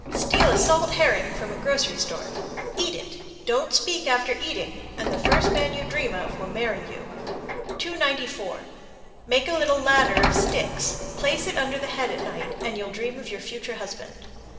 Steal a salt herring from a grocery store, eat it, don't speak after eating, and the first man you dream of will marry you. 294. Make a little ladder of sticks, place it under the head at night, and you'll dream of your future husband.